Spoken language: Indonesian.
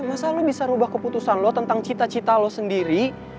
masa lu bisa rubah keputusan lu tentang cita cita lu sendiri